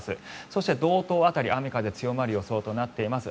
そして、道東辺り雨、風が強まる予想となっています。